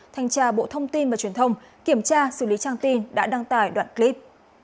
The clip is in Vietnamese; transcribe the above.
thanh tra bộ thông tin và truyền thông kiểm tra xử lý trang tin đã đăng tải đoạn clip